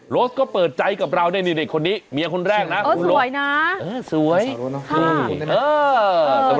โรสก็เปิดใจกับเราได้ดีในคนนี้เมียคนแรกนะคุณโรสเอ่อสวยนะ